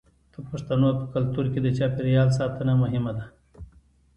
د پښتنو په کلتور کې د چاپیریال ساتنه مهمه ده.